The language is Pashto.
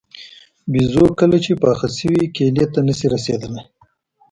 بېزو کله چې پاخه شوي کیلې ته نه شي رسېدلی.